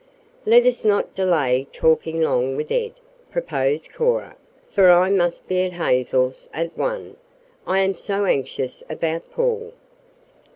"Let us not delay talking long with Ed," proposed Cora, "for I must be at Hazel's at one I am so anxious about Paul."